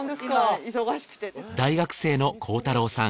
大学生の浩太郎さん